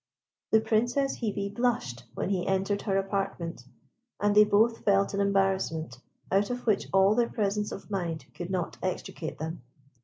The Princess Hebe blushed when he entered her apartment, and they both felt an embarrassment out of which all their presence of mind could not extricate them.